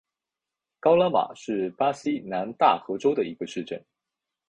高拉马是巴西南大河州的一个市镇。